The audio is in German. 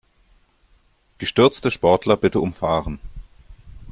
Gestürzte Sportler bitte umfahren.